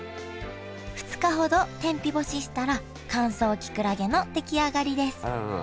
２日ほど天日干ししたら乾燥きくらげの出来上がりです